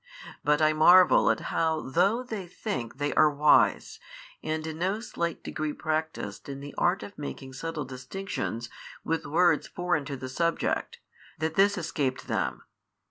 But I marvel how though they think they are wise, and in no slight degree practised in the art of making subtle distinctions with words foreign to the subject, that this escaped them, viz.